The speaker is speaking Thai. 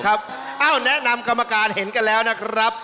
เอ้าแนะนำกรรมการเห็นกันแล้วนะครับ